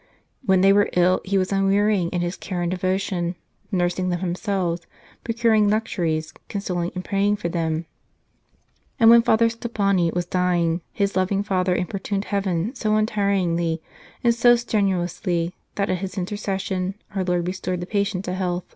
When they were ill, he was unwearying in his care and devotion, nursing them himself, procuring luxuries, consoling and praying for them ; and when Father Stoppani was dying, his loving Father importuned Heaven so untiringly and so strenuously that, at his intercession, our Lord restored the patient to health.